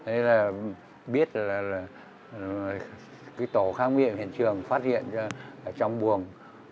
thế là biết là cái tổ khám nghiệm hiện trường phát hiện ra ở trong buồng